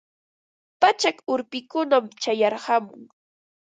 Pachak urpikunam chayarqamun.